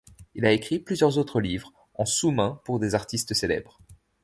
Il a écrit plusieurs autres livres, en sous-main pour des artistes célèbres.